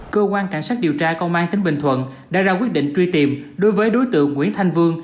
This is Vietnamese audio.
cơ quan cảnh sát điều tra công an tỉnh bình thuận đã ra quyết định truy tìm đối với đối tượng nguyễn thanh vương